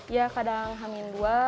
ya kadang hamil dua